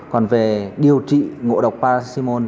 còn về điều trị ngộ độc paracetamol